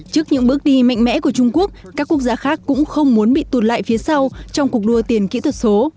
trước những bước đi mạnh mẽ của trung quốc các quốc gia khác cũng không muốn bị tụt lại phía sau trong cuộc đua tiền kỹ thuật số